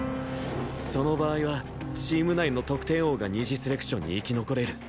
その場合はチーム内の得点王が二次セレクションに生き残れる